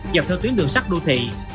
dọc theo tuyến đường sắt đô thị